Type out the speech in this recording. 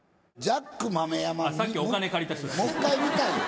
さっきお金借りた人です。